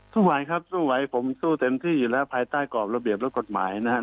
สู้ไหวครับสู้ไหวผมสู้เต็มที่อยู่แล้วภายใต้กรอบระเบียบและกฎหมายนะครับ